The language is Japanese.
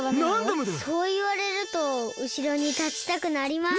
そういわれるとうしろにたちたくなります。